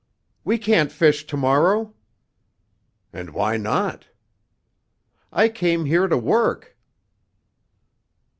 "We can't fish tomorrow!" "And why not?" "I came here to work."